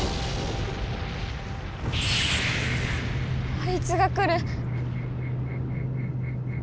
あいつが来る。